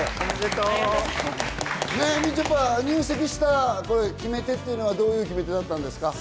みちょぱ、入籍した決め手ってどういう決め手だったんですか？